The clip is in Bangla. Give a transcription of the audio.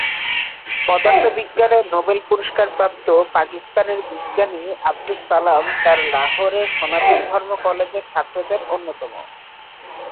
পদার্থবিজ্ঞানে নোবেল পুরস্কার প্রাপ্ত পাকিস্তানের বিজ্ঞানী আবদুস সালাম তার লাহোরে সনাতন ধর্ম কলেজের ছাত্রদের অন্যতম।